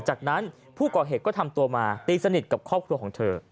จากนั้นผู้ก่อเหตุก็ทำตัวมาตีสนิทกับครอบครัวของเธอ